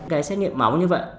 cái xét nghiệm máu như vậy